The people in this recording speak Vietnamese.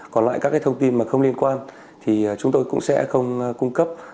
còn lại các cái thông tin mà không liên quan thì chúng tôi cũng sẽ không cung cấp